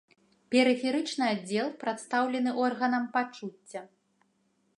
Перыферычны аддзел прадстаўлены органам пачуцця.